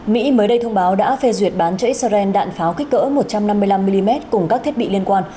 mỹ mới đây thông báo đã phê duyệt bán cho israel đạn pháo kích cỡ một trăm năm mươi năm mm cùng các thiết bị liên quan